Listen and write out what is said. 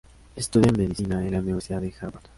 Estudia medicina en la Universidad de Harvard.